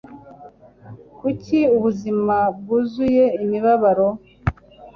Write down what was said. Kuki ubuzima bwuzuye imibabaro?